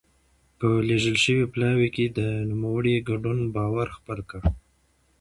په لېږل شوي پلاوي کې د نوموړي ګډون باور خپل کړي.